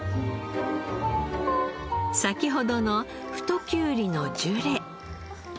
先ほどの太きゅうりのジュレ。